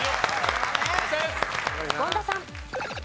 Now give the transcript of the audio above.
権田さん。